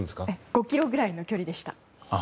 ５ｋｍぐらいの距離でした。